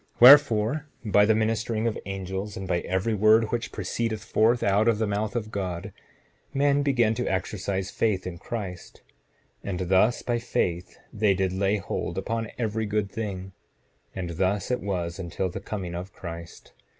7:25 Wherefore, by the ministering of angels, and by every word which proceeded forth out of the mouth of God, men began to exercise faith in Christ; and thus by faith, they did lay hold upon every good thing; and thus it was until the coming of Christ.